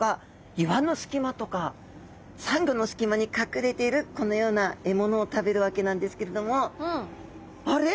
岩の隙間とかサンゴの隙間に隠れているこのような獲物を食べるわけなんですけれどもあれ？